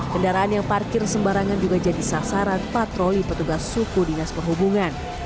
kendaraan yang parkir sembarangan juga jadi sasaran patroli petugas suku dinas perhubungan